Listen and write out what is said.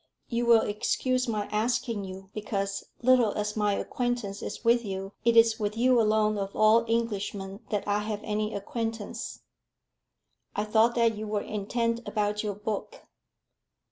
"You will excuse my asking you, because, little as my acquaintance is with you, it is with you alone of all Englishmen that I have any acquaintance." "I thought that you were intent about your book."